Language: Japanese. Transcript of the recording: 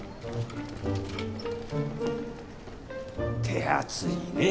手厚いね。